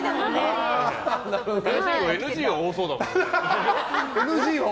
ＮＧは多そうだもんね。